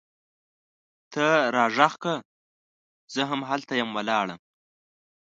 ته را ږغ کړه! زه هم هلته یم ولاړه